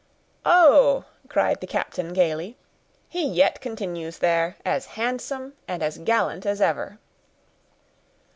"Oh!" cried the captain, gayly, "he yet continues there, as handsome and as gallant as ever."